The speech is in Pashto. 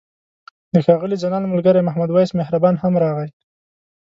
د ښاغلي ځلاند ملګری محمد وېس مهربان هم راغی.